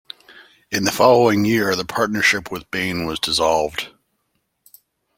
In the following year the partnership with Baine was dissolved.